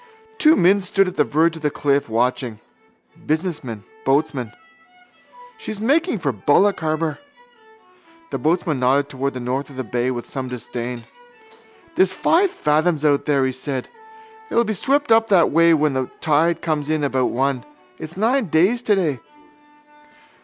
Two men stood at the verge of the cliff, watching: businessman, boatman. —She's making for Bullock harbour. The boatman nodded towards the north of the bay with some disdain. —There's five fathoms out there, he said. It'll be swept up that way when the tide comes in about one. It's nine days today.